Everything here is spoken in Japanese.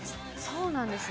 そうなんですね。